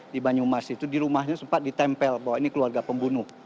di banyumas itu di rumahnya sempat ditempel bahwa ini keluarga pembunuh